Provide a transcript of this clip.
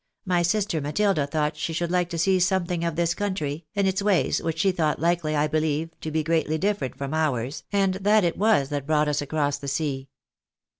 My sister Matilda thought she should Hke to see something of this country, and its ways, which she thouglat likely, I believe, to be greatly different from ours, and that it was that brought us across the sea."